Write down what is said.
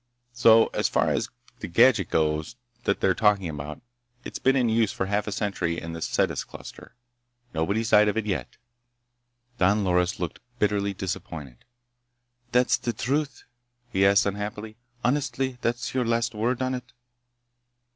So far as the gadget goes that they're talking about, it's been in use for half a century in the Cetis cluster. Nobody's died of it yet." Don Loris looked bitterly disappointed. "That's the truth?" he asked unhappily. "Honestly? That's your last word on it?"